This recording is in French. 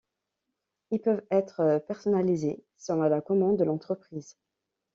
Ils peuvent être personnalisés selon la commande de l'entreprise.